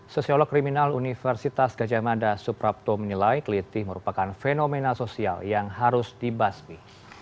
sosiolog kriminal universitas gajah mada suprapto menilai kelitih merupakan fenomena sosial yang harus dibasmi